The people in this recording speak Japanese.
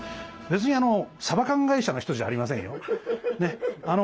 別にさば缶会社の人じゃありませんよ。